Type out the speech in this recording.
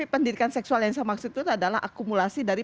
maksudnya itu adalah akumulasi dari